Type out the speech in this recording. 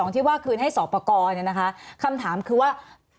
๖๘๒ที่ว่าคืนให้สพประกอบนะคะคำถามคือว่า